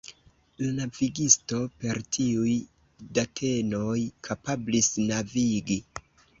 La navigisto per tiuj datenoj kapablis navigi.